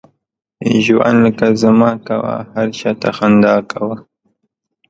ژوند لکه زما کوه، هر چاته خندا کوه.